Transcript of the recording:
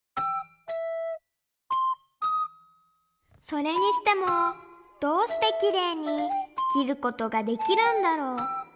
それにしてもどうしてきれいに切ることができるんだろう？